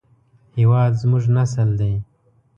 هېواد زموږ نسل دی